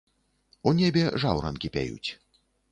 У небе жаўранкі пяюць.